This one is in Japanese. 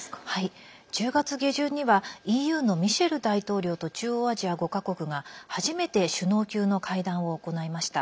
１０月下旬にはＥＵのミシェル大統領と中央アジア５か国が初めて首脳級の会談を行いました。